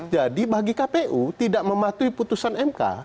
jadi bagi kpu tidak mematuhi putusan mk